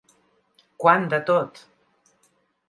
Quant de tot!